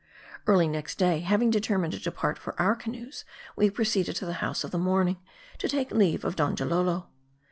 Early next day, having determined to depart for our canoes, we proceeded to the House of the Morning, to take leave of Donjalolo.